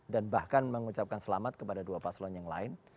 dan bahkan mengucapkan selamat kepada dua paslon yang lain